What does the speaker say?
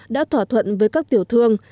đã thỏa thuận với các tiểu thương